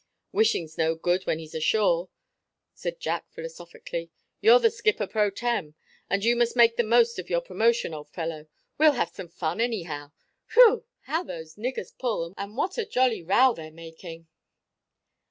"Wishing's no good when he's ashore," said Jack philosophically. "You're the skipper pro tem., and you must make the most of your promotion, old fellow. We'll have some fun, anyhow. Whew! how those niggers pull, and what a jolly row they're making!"